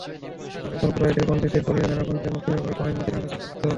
কারণ, এখন কুরাইশের বন্দীদের পরিজনেরা বন্দীদের মুক্তির ব্যাপারে প্রায়ই মদীনায় আসা যাওয়া করছে।